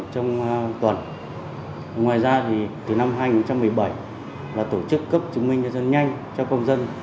trong tuần ngoài ra thì từ năm hai nghìn một mươi bảy là tổ chức cấp chứng minh nhân dân nhanh cho công dân